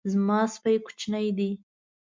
زما سپی کوچنی دی